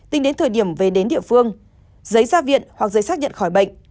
tính đến thời điểm về đến địa phương giấy ra viện hoặc giấy xác nhận khỏi bệnh